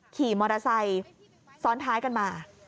ขี่มอเตอร์ไซค์ซ้อนท้ายกันมา